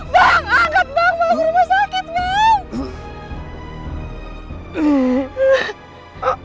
bang angkat bang mau ke rumah sakit ngam